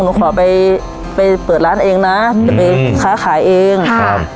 หนูขอไปไปเปิดร้านเองนะจะไปค้าขายเองครับ